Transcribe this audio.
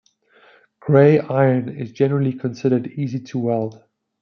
Gray iron is generally considered easy to weld.